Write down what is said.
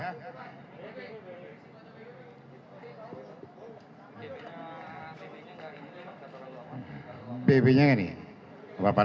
sudah gini aja saya di belakang aja ya karena bab nya sudah bau semua